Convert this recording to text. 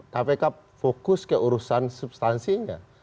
kpk fokus ke urusan substansinya